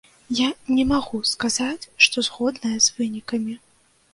Я не магу сказаць, што згодная з вынікамі.